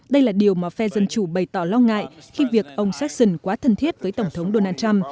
đây là điều mà phe dân chủ bày tỏ lo ngại khi việc ông sarson quá thân thiết với tổng thống donald trump